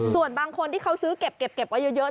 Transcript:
ส่วนบางคนที่เขาซื้อเก็บไว้เยอะ